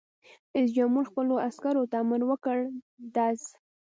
رئیس جمهور خپلو عسکرو ته امر وکړ؛ ډز!